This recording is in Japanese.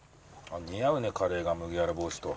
似合うねカレーが麦わら帽子と。